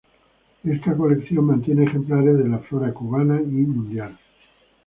Esta colección mantiene ejemplares de la flora Cubana y Mundial.